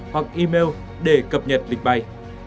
hoặc email để cập nhật lịch bay